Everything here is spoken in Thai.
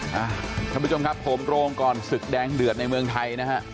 ท่านผู้ชมครับผมโรงก่อนศึกแดงเดือดในเมืองไทยนะฮะ